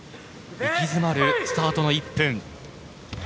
息詰まるスタートの１分。